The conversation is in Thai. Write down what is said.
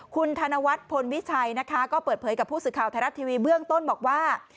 คุณธนวัฒน์พลวิชัยนะคะก็เปิดเผยกับผู้สื่อข่าวไทยรัฐทีวีเบื้องต้นบอกว่า